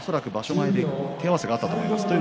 前手合わせがあったと思います。